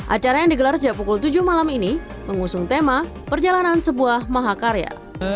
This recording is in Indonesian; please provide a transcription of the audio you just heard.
acara yang digelar sejak pukul tujuh malam ini mengusung tema perjalanan sebuah mahakarya